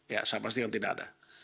ya saya pastikan tidak ada